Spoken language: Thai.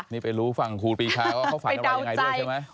นี่ไปรู้ฝังครูปีชาเขาฝันอะไรจะอย่างไรด้วยใช่ไหมไปเดาใจ